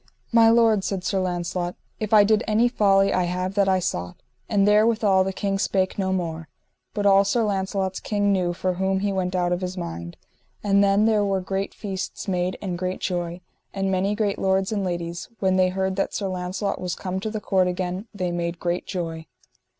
My lord, said Sir Launcelot, if I did any folly I have that I sought. And therewithal the king spake no more. But all Sir Launcelot's kin knew for whom he went out of his mind. And then there were great feasts made and great joy; and many great lords and ladies, when they heard that Sir Launcelot was come to the court again, they made great joy.